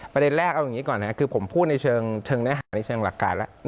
ประเด็นแรกเอาอย่างนี้ก่อนนะคือผมพูดในเชิงเนื้อหาในเชิงหลักการแล้ว